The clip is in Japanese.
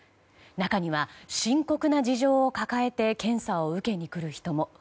中には、深刻な事情を抱えて検査を受けに来る人も。